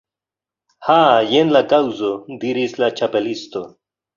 "Ha, jen la kaŭzo," diris la Ĉapelisto.